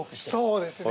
そうですね。